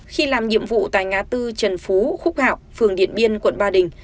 khi làm nhiệm vụ tại ngã tư trần phú hạo phường điện biên quận ba đình